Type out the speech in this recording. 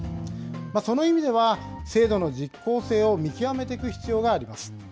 その意味では、制度の実効性を見極めていく必要があります。